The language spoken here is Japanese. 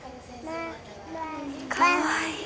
かわいい。